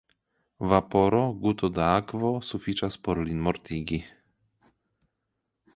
Vaporo, guto da akvo sufiĉas por lin mortigi.